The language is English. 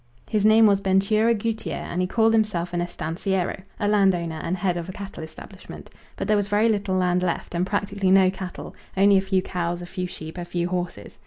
His name was Bentura Gutierres, and he called himself an estanciero a landowner and head of a cattle establishment; but there was very little land left and practically no cattle only a few cows, a few sheep, a few horses.